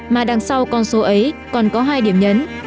mà đằng sau con số ấy còn có hai điểm nhấn